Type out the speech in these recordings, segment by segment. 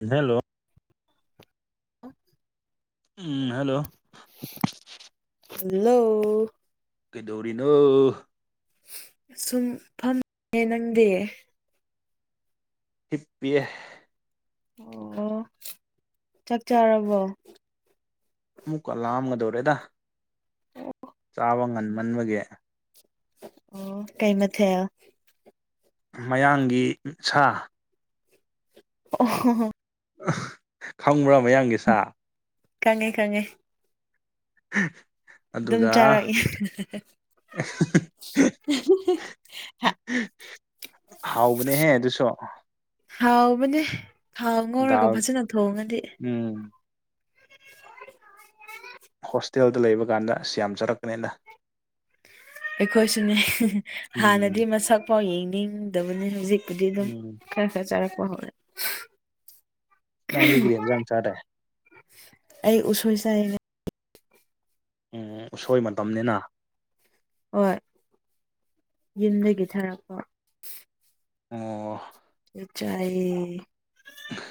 hello [inaudible] ꯎꯝ hello hello ꯀꯩꯗꯧꯔꯤꯅꯣ ꯁꯨꯝ ꯐꯝꯃꯦ ꯅꯪꯗꯤ ꯍꯤꯞꯄꯤꯌꯦ ꯑꯣ ꯆꯥꯛ ꯆꯥꯔꯕꯣ ꯑꯃꯨꯛꯀ ꯂꯥꯝꯒꯗꯧꯔꯦꯗ [inaudible] ꯆꯥꯕ ꯉꯟꯃꯟꯕꯒꯤ ꯑꯣ ꯀꯩ ꯃꯊꯦꯜ ꯃꯌꯥꯡꯒꯤ ꯁꯥ ꯑꯣ ꯍꯣ ꯍꯣ ꯎꯝ ꯈꯪꯕ꯭ꯔꯣ ꯃꯌꯥꯡꯒꯤ ꯁꯥ ꯈꯪꯉꯦ ꯈꯪꯉꯦ [unintelligible] ꯑꯗꯨꯝ ꯆꯥꯔꯛꯏ [unintelligible] ꯍꯥꯎꯕꯅꯦꯍꯦ ꯑꯗꯨꯁꯨ ꯍꯥꯎꯕꯅꯦ ꯊꯥꯎ ꯉꯧꯔꯒ ꯗꯥꯜ ꯐꯖꯅ ꯊꯣꯡꯉꯗꯤ ꯎꯝ ꯍꯣꯁꯇꯦꯜꯗ ꯂꯩꯕ ꯀꯥꯟꯗ ꯁꯤ ꯌꯥꯝ ꯆꯥꯔꯛꯄꯅꯦꯗ ꯑꯩꯈꯣꯏꯁꯨꯅꯦ ꯍꯦ ꯍꯦ ꯍꯥꯟꯅꯗꯤ ꯎꯝ ꯃꯁꯛꯐꯥꯎ ꯌꯦꯡꯅꯤꯡꯗꯕꯅꯤ ꯍꯧꯖꯤꯛꯄꯨꯗꯤ ꯑꯗꯨꯝ ꯎꯝ ꯈꯔ ꯈꯔ ꯆꯔꯛꯄ ꯍꯧꯔꯦ ꯅꯪ ꯗꯤ ꯀꯔꯤ ꯍꯦꯟꯖꯥꯡ ꯆꯥꯔꯦ ꯑꯩ ꯎꯁꯣꯏ ꯆꯥꯏꯌꯦ ꯎꯝ ꯎꯁꯣꯏ ꯃꯇꯝꯅꯦꯅ ꯍꯣꯏ ꯌꯨꯝꯗꯒꯤ ꯊꯥꯔꯛꯄ ꯑꯣ ꯆꯥꯌꯦ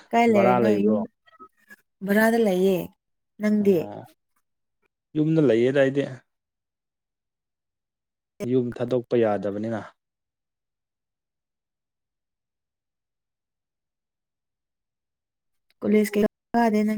ꯀꯥꯏ ꯕꯔꯥ ꯂꯩꯔꯤꯅꯣ ꯌꯨꯝ ꯂꯩꯕ꯭ꯔꯣ ꯕꯔꯥꯗ ꯂꯩꯌꯦ ꯅꯪꯗꯤ ꯑꯣ ꯌꯨꯝꯗ ꯂꯩꯌꯦꯗ ꯑꯩꯗꯤ ꯌꯨꯝ ꯊꯥꯗꯣꯛꯄ ꯌꯥꯗꯕꯅꯦꯅ ꯀꯣꯂꯦꯁ ꯀꯩꯀꯥ ꯀꯥꯗꯦ ꯅꯪ